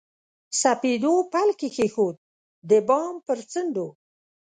سپېدو پل کښېښود، د بام پر څنډو